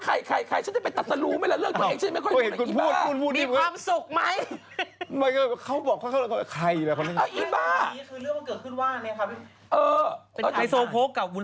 เขาก็อยากจะให้ใครคนยะใคร